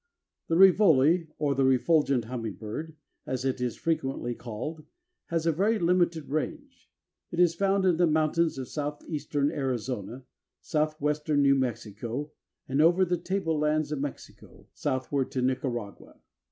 The Rivoli, or the Refulgent hummingbird, as it is frequently called, has a very limited range. It is found in the "mountains of southeastern Arizona, southwestern New Mexico and over the table lands of Mexico," southward to Nicaragua.